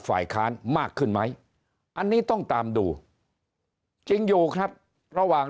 ฝ่ายค้านมากขึ้นไหมอันนี้ต้องตามดูจริงอยู่ครับระหว่าง